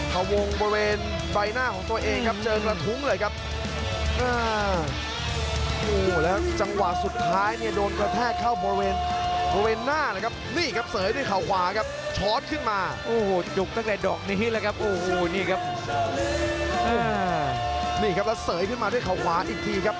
เขาวงบริเวณใบหน้าของตัวเองครับเจอกระทุ้งเลยครับ